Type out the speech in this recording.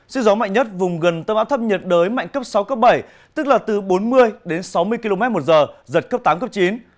sức gió mạnh nhất vùng gần tâm áp thấp nhiệt đới mạnh cấp sáu bảy tức là từ bốn mươi sáu mươi km một giờ giật cấp tám chín